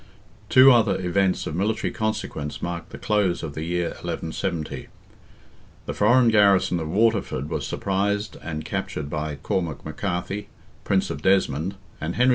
Two other events of military consequence marked the close of the year 1170. The foreign garrison of Waterford was surprised and captured by Cormac McCarthy, Prince of Desmond, and Henry II.